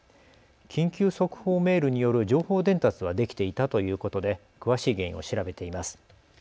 緊急速報メールによる情報伝達はできていたということで詳しい原因を調べています。